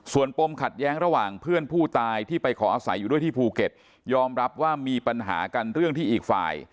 ส่วนปมขัดแย้งระหว่างเพื่อนผู้ตายที่ไปขออาศัยอยู่ด้วยที่ภูเก็ตยอมรับว่ามีปัญหากันเรื่องที่อีกฝ่าย